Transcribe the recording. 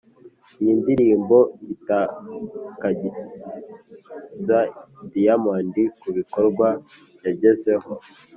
iyi ndirimbo itakagiza diamond ku bikorwa yagezeho